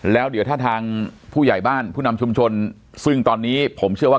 แล้วเดี๋ยวถ้าทางผู้ใหญ่บ้านผู้นำชุมชนซึ่งตอนนี้ผมเชื่อว่า